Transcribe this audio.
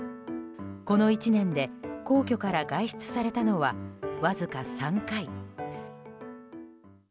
この１年で皇居から外出されたのは、わずか３回。